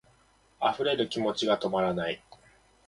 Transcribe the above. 溢れる気持ちが止まらない